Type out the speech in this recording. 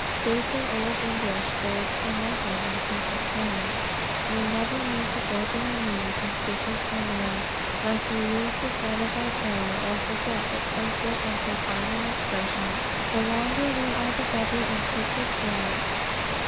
Stately old English goes for nothing in secret prayer. We never need to go to our knees in secret trembling, lest we lose the thread of our prayer, or forget that so fit and so fine expression. The longer we are the better in secret prayer.